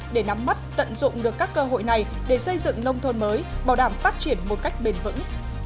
để nắm mắt tận dụng được các cơ hội này để xây dựng nông thôn mới bảo đảm phát triển một cách bền vững